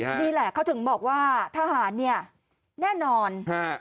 นี่แหละเขาถึงบอกว่าทหารเนี่ยแน่นอนฮะ